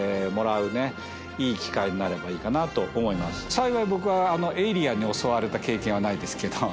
幸い僕はエイリアンに襲われた経験はないですけど。